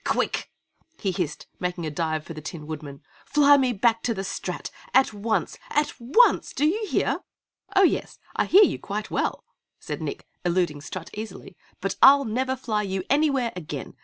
"Quick," he hissed, making a dive for the Tin Woodman. "Fly me back to the Strat. At once! At ONCE! Do you hear?" "Oh, yes! I hear you quite well!" said Nick, eluding Strut easily. "But I'll never fly you anywhere again!